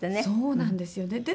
そうなんですよね。